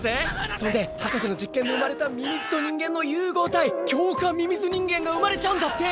そんで博士の実験で生まれたミミズと人間の融合体強化ミミズ人間が生まれちゃうんだって！